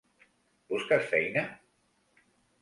Busques feina?